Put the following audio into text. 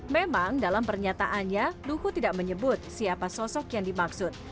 memang dalam pernyataannya luhut tidak menyebut siapa yang menyerang presiden